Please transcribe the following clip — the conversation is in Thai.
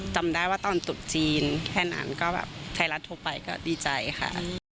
จำได้ว่าตอนตุดจีนแค่นั้นก็แบบไทยรัฐโทรไปก็ดีใจค่ะ